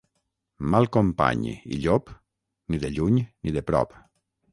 Mal company i llop, ni de lluny ni de prop.